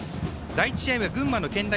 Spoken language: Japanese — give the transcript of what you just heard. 第１試合は群馬の健大